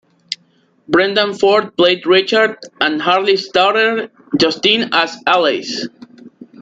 Brendan Ford played Richard, and Hartley's daughter Justine as Alais.